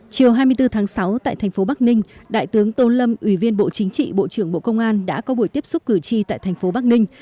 chiều hai mươi bốn tháng sáu tại thành phố bắc ninh đại tướng tô lâm ủy viên bộ chính trị bộ trưởng bộ công an đã có buổi tiếp xúc cử tri tại thành phố bắc ninh